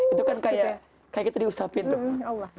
itu kan kayak kita diusapin tuh